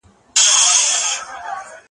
چي دي راوړې کیسه ناښاده ,